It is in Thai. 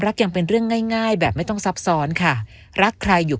ยังเป็นเรื่องง่ายง่ายแบบไม่ต้องซับซ้อนค่ะรักใครอยู่